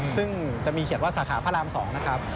ซึ่งจะมีเขียนว่าสาขาพระราม๒นะครับ